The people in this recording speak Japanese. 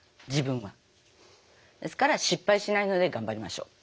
ですから失敗しないので頑張りましょう。